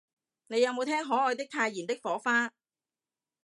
你有無聽可愛的太妍的火花